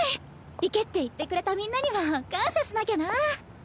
行けって言ってくれたみんなにも感謝しなきゃな。